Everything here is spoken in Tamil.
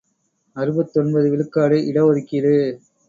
அறுபத்தொன்பது விழுக்காடு இட ஒதுக்கீடு!